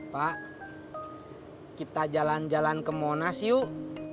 pak kita jalan jalan ke monas yuk